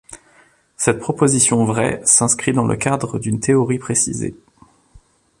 Cette proposition vraie s'inscrit dans le cadre d'une théorie précisée.